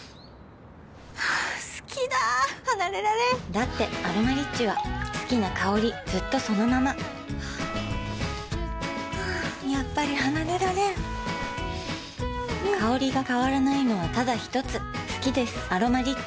好きだ離れられんだって「アロマリッチ」は好きな香りずっとそのままやっぱり離れられん香りが変わらないのはただひとつ好きです「アロマリッチ」